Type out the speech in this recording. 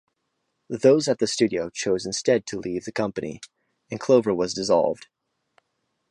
Those at the studio chose instead to leave the company, and Clover was dissolved.